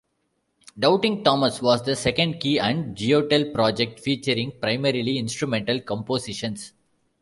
Doubting Thomas was the second Key and Geottel project, featuring primarily instrumental compositions.